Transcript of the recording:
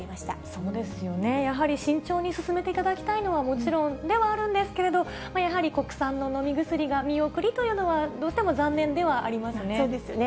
そうですよね、やはり慎重に進めていただきたいのはもちろんではあるんですけれど、やはり国産の飲み薬が見送りというのは、どうしても残念ではありますね。